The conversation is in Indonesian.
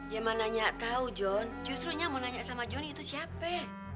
yang mana nyatau john justru nya mau nanya sama johnny itu siapa